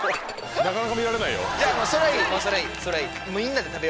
なかなか見られないよ。